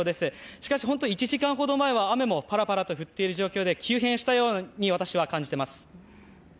しかし１時間ほど前は雨もパラパラと降っている状況で急変したように私は感じています。